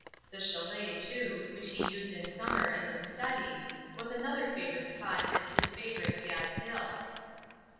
The châlet, too, which he used in summer as his study, was another favorite spot at his favorite "Gad's Hill."